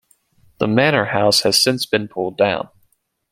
The manor house has since been pulled down.